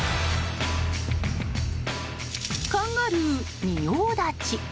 カンガルー、仁王立ち！